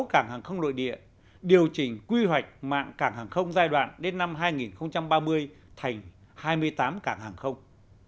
cảng hàng không nội địa điều chỉnh quy hoạch mạng cảng hàng không giai đoạn đến năm hai nghìn ba mươi thành hai mươi tám cảng hàng không